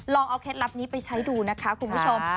ลองเอาเคล็ดลับนี้ไปใช้ดูนะคะคุณผู้ชม